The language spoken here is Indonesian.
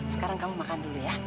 sekarang kamu makan dulu ya